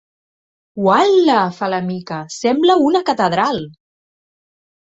Ual·la! —fa la Mica— Sembla una catedral!